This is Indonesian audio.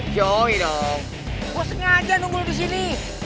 jomidong gue sengaja nunggul disini